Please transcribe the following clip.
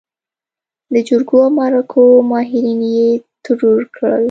د جرګو او مرکو ماهرين يې ترور کړل.